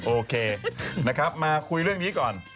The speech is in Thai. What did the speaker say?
โอเคนะครับมาคุยเรื่องนี้ก่อน